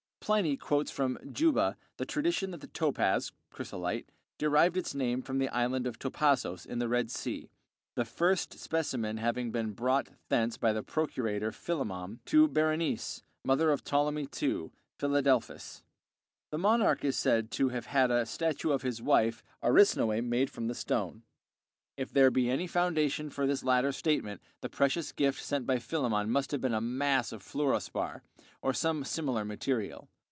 Pliny quotes from Juba the tradition that the topaz (chrysolite) derived its name from the Island of Topazos, in the Red Sea, the first specimen having been brought thence by the procurator Philemon, to Berenice, mother of Ptolemy II, Philadelphus. This monarch is said to have had a statue of his wife Arsinoë made from the stone. If there be any foundation for this latter statement, the precious gift sent by Philemon must have been a mass of fluorspar, or some similar material.